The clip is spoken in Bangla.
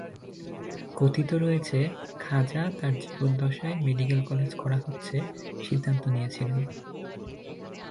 কথিত রয়েছে খাজা তার জীবদ্দশায় মেডিকেল কলেজ করা হচ্ছে সিদ্ধান্ত নিয়েছিলেন।